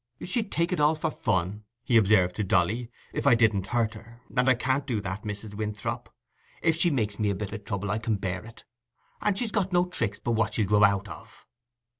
"She'd take it all for fun," he observed to Dolly, "if I didn't hurt her, and that I can't do, Mrs. Winthrop. If she makes me a bit o' trouble, I can bear it. And she's got no tricks but what she'll grow out of."